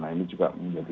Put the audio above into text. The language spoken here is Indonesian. nah ini juga menjadi